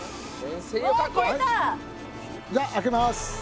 じゃあ開けます。